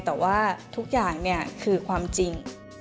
แต่ว่าทุกอย่างเนี่ยคือความจริง